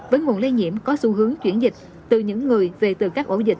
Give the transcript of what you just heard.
với nguồn lây nhiễm có xu hướng chuyển dịch từ những người về từ các ổ dịch